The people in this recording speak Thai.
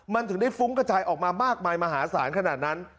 มันถึงได้ฟุ้งกระจายออกมามากมายมหาศาลขนาดนั้น